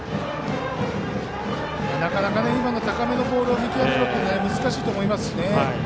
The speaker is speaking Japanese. なかなか今の高めのボールを見極めるのは難しいと思いますね。